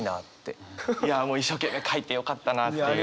いや一生懸命書いてよかったなっていう